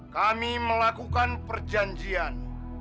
kami melakukan perjanjian